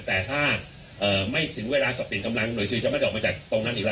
แต่ถ้าไม่ถึงเวลาสับเปลี่ยนกำลังหน่วยซิลจะไม่ได้ออกมาจากตรงนั้นอีกแล้ว